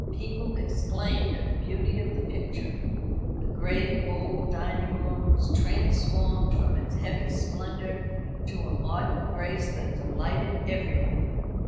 People exclaimed at the beauty of the picture. The grave old dining room was transformed from its heavy splendour to a modern grace that delighted everybody.